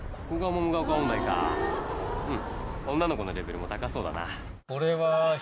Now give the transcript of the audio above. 女の子のレベルも高そうだな」